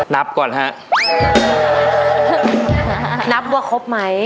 นับว่าครบไหม